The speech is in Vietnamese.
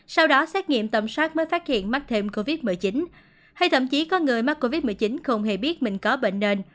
sau đó xét nghiệm tầm soát mới phát hiện mắc thêm covid một mươi chín hay thậm chí có người mắc covid một mươi chín không hề biết mình có bệnh nền